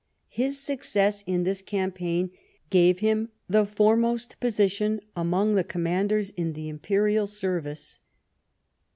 His success in this cam paign gave him the foremost position among the com manders in the imperial service.